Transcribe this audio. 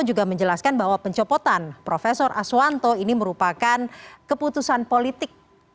juga menjelaskan bahwa pencopotan prof aswanto ini merupakan keputusan politik